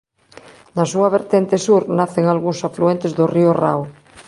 Na súa vertente sur nacen algúns afluentes do río Rao.